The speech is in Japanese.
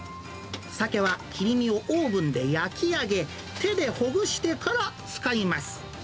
サケは切り身をオーブンで焼き上げ、手でほぐしてから使います。